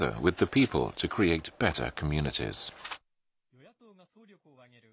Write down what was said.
与野党が総力を挙げる